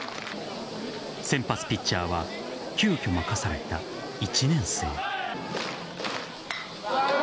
先発ピッチャーは急きょ任された１年生。